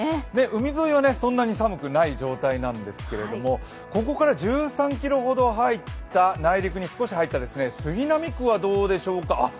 海沿いはそんなに寒くない状態なんですけどここから１３ｋｍほど内陸に少し入った杉並区はどうでしょうか